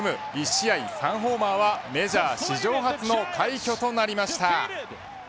１試合３ホーマーはメジャー史上初の快挙となりました。